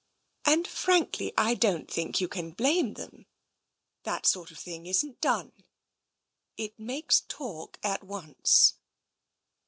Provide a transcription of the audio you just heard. And, frankly, I don't think you can blame them. That sort of thing isn't done. It makes talk at once."